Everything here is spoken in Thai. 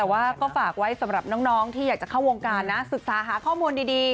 แต่ว่าก็ฝากไว้สำหรับน้องที่อยากจะเข้าวงการนะศึกษาหาข้อมูลดี